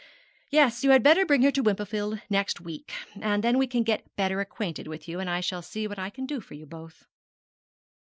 yes, you had better bring her to Wimperfield next week, and then we can get better acquainted with you, and I shall see what I can do for you both.'